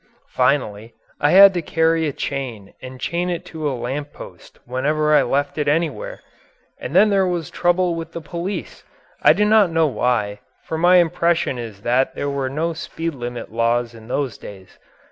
Finally, I had to carry a chain and chain it to a lamp post whenever I left it anywhere. And then there was trouble with the police. I do not know quite why, for my impression is that there were no speed limit laws in those days.